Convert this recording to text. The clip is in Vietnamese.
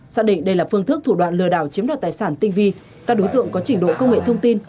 xác định đây là phương thức thủ đoạn lừa đảo chiếm đoạt tài sản tinh vi các đối tượng có trình độ công nghệ thông tin